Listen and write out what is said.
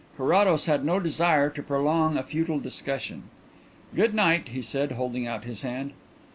Carrados had no desire to prolong a futile discussion. "Good night," he said, holding out his hand.